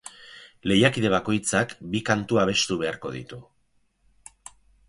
Lehiakide bakoitzak bi kantu abestu beharko ditu.